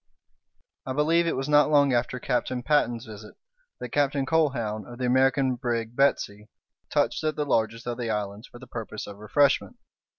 I believe it was not long after Captain Patten's visit that Captain Colquhoun, of the American brig Betsey, touched at the largest of the islands for the purpose of refreshment.